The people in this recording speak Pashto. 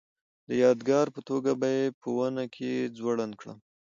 د یادګار په توګه به یې په ونه کې ځوړنده کړم.